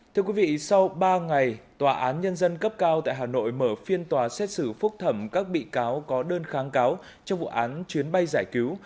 thưa quý vị sau ba ngày tòa án nhân dân cấp cao tại hà nội mở phiên tòa xét xử phúc thẩm các bị cáo có đơn kháng cáo trong vụ án chuyến bay giải cứu